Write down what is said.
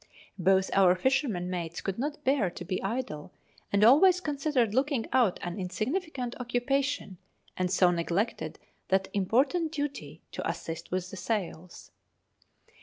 Both our fishermen mates could not bear to be idle, and always considered looking out an insignificant occupation, and so neglected that important duty to assist with the sails.